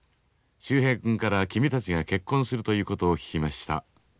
秀平君から君たちが結婚するということを聞きました。